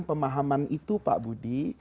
pemahaman itu pak budi